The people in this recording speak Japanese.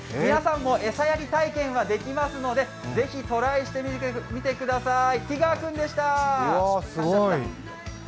皆さんも餌やり体験ができますので、ぜひトライしてみてください。